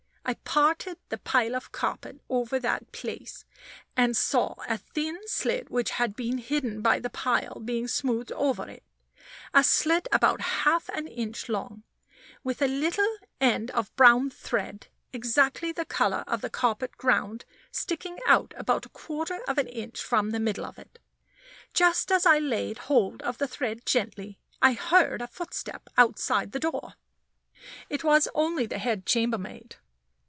I parted the pile of the carpet over that place, and saw a thin slit which had been hidden by the pile being smoothed over it a slit about half an inch long, with a little end of brown thread, exactly the color of the carpet ground, sticking out about a quarter of an inch from the middle of it. Just as I laid hold of the thread gently, I heard a footstep outside the door. It was only the head chambermaid.